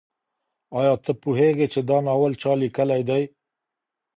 آیا ته پوهېږې چي دا ناول چا لیکلی دی؟